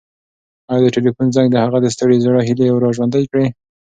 ایا د تلیفون زنګ د هغه د ستړي زړه هیلې راژوندۍ کړې؟